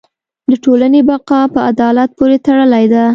د ټولنې بقاء په عدالت پورې تړلې ده.